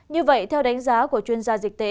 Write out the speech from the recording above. như vậy theo đánh giá